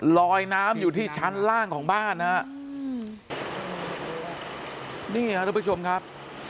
ลอยน้ำอยู่ที่ชั้นล่างของบ้านนะฮะนี่ฮะทุกผู้ชมครับ